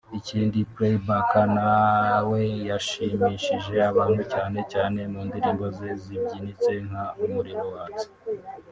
ikindi playback nawe yashimishije abantu cyane cyane mu ndirimbo ze zibyinitse nka Umuriro waste